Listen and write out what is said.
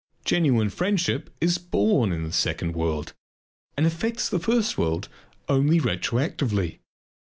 Genuine friendship is born in the second world and affects the first world only retroactively.